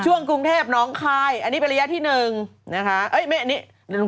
กรุงเทพน้องคายอันนี้เป็นระยะที่หนึ่งนะคะ